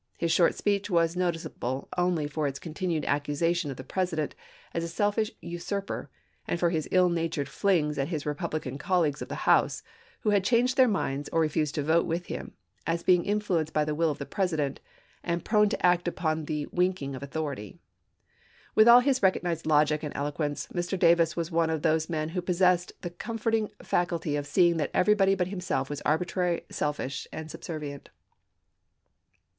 His short speech was noticeable only for its continued accusation of the President as a selfish usurper, and for his ill natured flings at his Eepublican colleagues of the House, who had changed their minds or refused to vote with him, as being influenced by the will of the President, ibid. and " prone to act upon the winking of authority." With all his recognized logic and eloquence Mr. Davis was one of those men who possessed the comforting faculty of seeing that everybody but himself was arbitrary, selfish, and subservient.